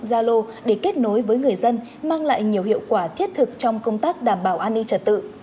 zalo để kết nối với người dân mang lại nhiều hiệu quả thiết thực trong công tác đảm bảo an ninh trả tự